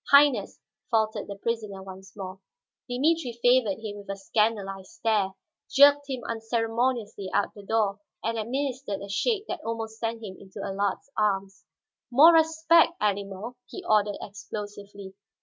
"Highness," faltered the prisoner once more. Dimitri favored him with a scandalized stare, jerked him unceremoniously out the door, and administered a shake that almost sent him into Allard's arms. "More respect, animal," he ordered explosively.